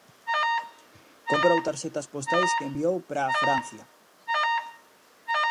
Comprou tarxetas postais que enviou para a Francia.